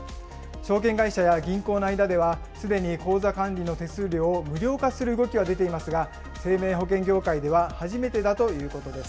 証券会社や銀行の間では、すでに口座管理の手数料を無料化する動きが出ていますが、生命保険業界では初めてだということです。